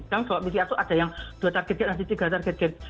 kalau itu ada yang dua target gene ada yang tiga target gene